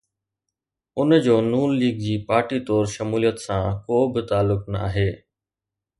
ان جو نون ليگ جي پارٽي طور شموليت سان ڪو به تعلق ناهي.